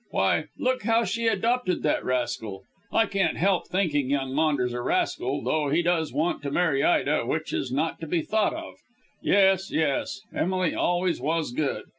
Why, look how she adopted that rascal I can't help thinking young Maunders a rascal, though he does want to marry Ida, which is not to be thought of. Yes, yes! Emily always was good.